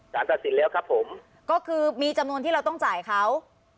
สารตัดสินแล้วครับผมก็คือมีจำนวนที่เราต้องจ่ายเขา